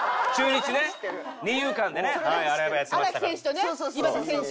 荒木選手とね井端選手。